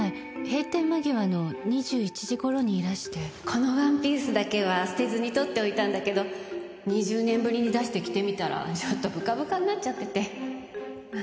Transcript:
このワンピースだけは捨てずに取っておいたんだけど２０年ぶりに出して着てみたらちょっとブカブカになっちゃってて。